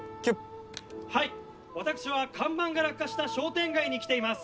はい私は看板が落下した商店街に来ています。